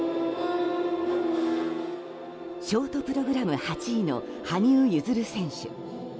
ショートプログラム８位の羽生結弦選手。